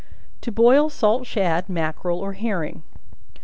To Boil Salt Shad, Mackerel Or Herring.